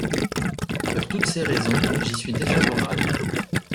Pour toutes ces raisons, j’y suis défavorable.